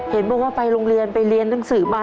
เห็นบอกว่าไปโรงเรียนไปเรียนหนังสือมา